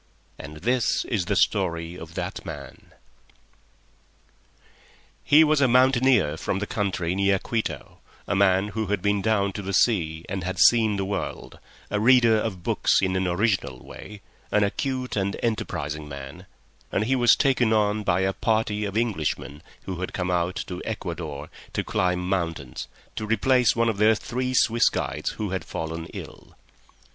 And this is the story of that man. He was a mountaineer from the country near Quito, a man who had been down to the sea and had seen the world, a reader of books in an original way, an acute and enterprising man, and he was taken on by a party of Englishmen who had come out to Ecuador to climb mountains, to replace one of their three Swiss guides who had fallen ill.